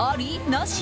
なし？